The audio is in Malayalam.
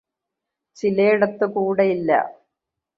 ചിലേടത്ത് കൂടെയില്ല.